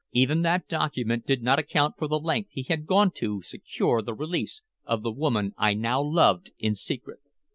Even that document did not account for the length he had gone to secure the release of the woman I now loved in secret.